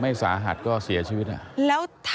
สาหัสก็เสียชีวิต